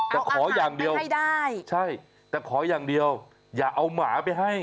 เอาอาหารไปให้ได้ใช่แต่ขออย่างเดียวอย่าเอาหมาไปให้